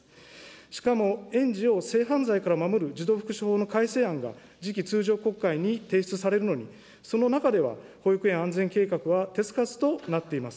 しかも、園児を性犯罪から守る児童福祉法の改正案が、次期通常国会に提出されるのに、その中では、保育園安全計画は手付かずとなっています。